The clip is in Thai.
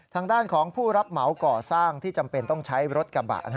ทางด้านของผู้รับเหมาก่อสร้างที่จำเป็นต้องใช้รถกระบะ